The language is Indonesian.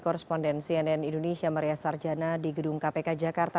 koresponden cnn indonesia maria sarjana di gedung kpk jakarta